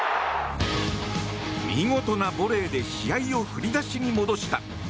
見事なボレーで試合を振り出しに戻した。